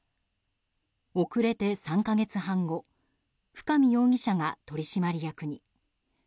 遅れて３か月半後深見容疑者が取締役に。